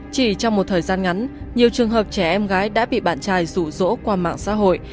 chỉ trong một thời gian ngắn nhiều trường hợp trẻ em gái đã bị bạn trai rủ rỗ qua mạng xã hội